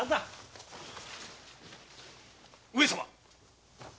上様！